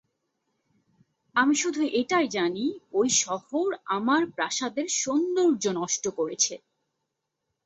আমি শুধু এটাই জানি ওই শহর আমার প্রাসাদের সৌন্দর্য নষ্ট করছে।